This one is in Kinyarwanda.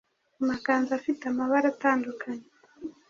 amakanzu afite amabara atandukanye